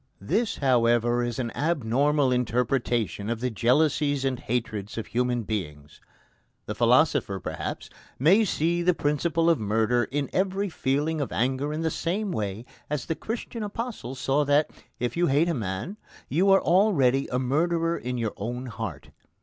This, however, is an abnormal interpretation of the jealousies and hatreds of human beings. The philosopher, perhaps, may see the principle of murder in every feeling of anger in the same way as the Christian Apostle saw that, if you hate a man, you are already a murderer in your own heart.